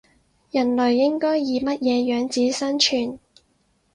人類應該以乜嘢樣子生存